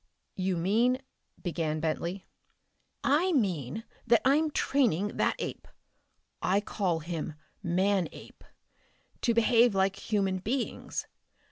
"You mean " began Bentley. "I mean that I'm training that ape I call him Manape to behave like human beings.